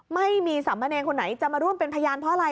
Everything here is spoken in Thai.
ไม่มีสามเณรคนไหนจะมาร่วมเป็นพยานเพราะอะไร